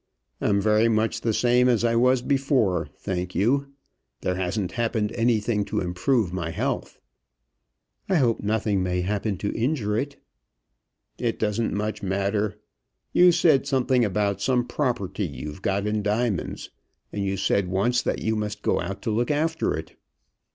"I'm much the same as I was before, thank you. There hasn't happened anything to improve my health." "I hope nothing may happen to injure it." "It doesn't much matter. You said something about some property you've got in diamonds, and you said once that you must go out to look after it."